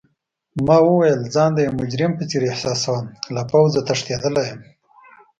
ما وویل: ځان د یو مجرم په څېر احساسوم، له پوځه تښتیدلی یم.